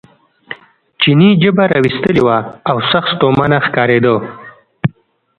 چیني ژبه را ویستلې وه او سخت ستومانه ښکارېده.